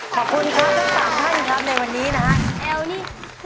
ขอบคุณครับทั้ง๓ท่านครับในวันนี้นะฮะ